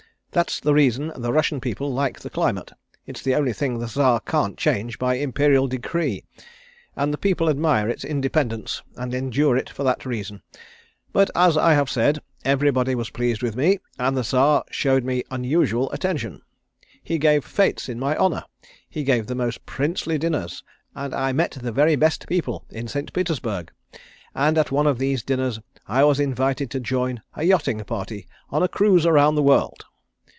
That's the reason the Russian people like the climate. It is the only thing the Czar can't change by Imperial decree, and the people admire its independence and endure it for that reason. But as I have said, everybody was pleased with me, and the Czar showed me unusual attention. He gave fêtes in my honour. He gave the most princely dinners, and I met the very best people in St. Petersburg, and at one of these dinners I was invited to join a yachting party on a cruise around the world.